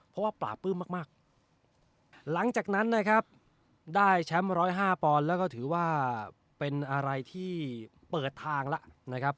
เพราะว่าปราบปลื้มมากหลังจากนั้นนะครับได้แชมป์๑๐๕ปอนด์แล้วก็ถือว่าเป็นอะไรที่เปิดทางแล้วนะครับ